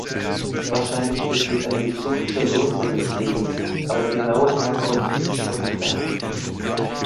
Wahrscheinlich besteht ein Bezug zur Größe des Sees, aber die genaue Herkunft ist unklar.